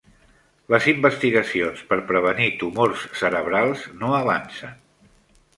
Les investigacions per prevenir tumors cerebrals no avancen